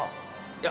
いや。